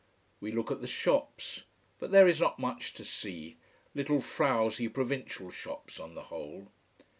We look at the shops. But there is not much to see. Little, frowsy provincial shops, on the whole.